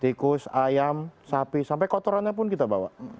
tikus ayam sapi sampai kotorannya pun kita bawa